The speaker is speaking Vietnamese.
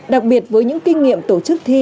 đặc biệt với những kinh nghiệm tổ chức thi